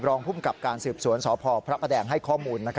รองภูมิกับการสืบสวนสพพระประแดงให้ข้อมูล